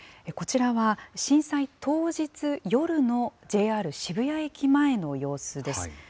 こちらは、震災当日夜のＪＲ渋谷駅前の様子です。